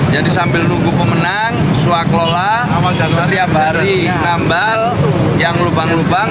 jadi sambil nunggu pemenang suak lola setiap hari tambal yang lubang lubang